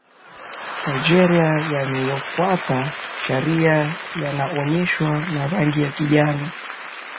Nigeria yaniyofuata sharia yanaonyeshwa na rangi ya kijani